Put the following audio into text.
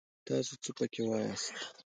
تاڅو څه پکې واياست!